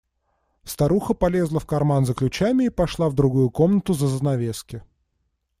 Старуха полезла в карман за ключами и пошла в другую комнату за занавески.